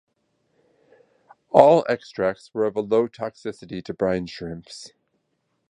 All extracts were of low toxicity to brine shrimps.